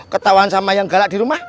ketahuan sama yang galak di rumah